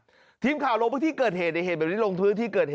วันนี้สาเกราะโรคที่เกิดเหตุในเหตุแบบนี้